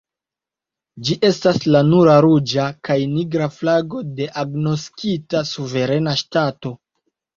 Ĝi estas la nura ruĝa kaj nigra flago de agnoskita suverena ŝtato.